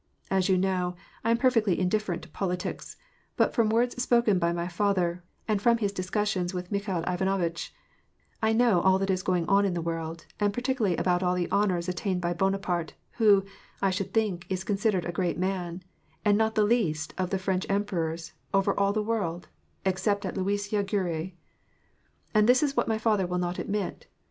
As you know, I am perfectly indifferent to politics ; but from words spoken by my father, and from his discussions with Mikhail Ivanovitch, I know all that is going on in the world; and particularly about all the honors attained by Buonaparte, who, I should think is considered a great man, and not the least of the French emperors, all over the world, except at Luisiya Gorui ! And this is what my father will not adroit!